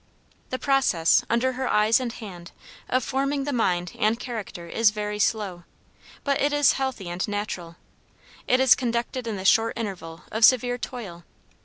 The process, under her eyes and hand, of forming the mind and character, is very slow, but it is healthy and natural. It is conducted in the short interval of severe toil.